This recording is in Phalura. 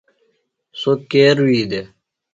سوۡ کے رُوئی دےۡ؟